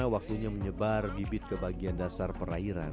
waktunya menyebar bibit ke bagian dasar perairan